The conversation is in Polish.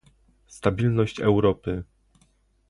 stabilności Europy